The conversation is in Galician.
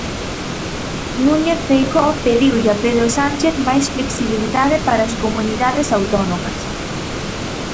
Núñez Feijóo pediulle a Pedro Sánchez máis flexibilidade para as Comunidades Autónomas.